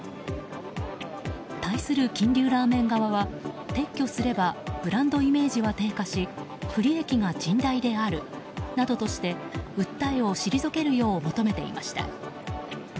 対する金龍ラーメン側は撤去すればブランドイメージは低下し不利益が甚大であるなどとして訴えを退けるよう求めていました。